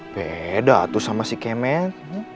beda tuh sama si kemen